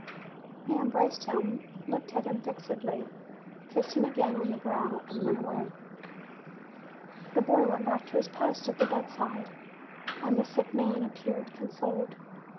He embraced him, looked at him fixedly, kissed him again on the brow, and went away. The boy went back to his post at the bedside, and the sick man appeared consoled.